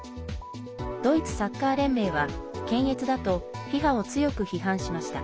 ドイツサッカー連盟は検閲だとＦＩＦＡを強く批判しました。